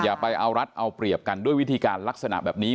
อย่าไปเอารัฐเอาเปรียบกันด้วยวิธีการลักษณะแบบนี้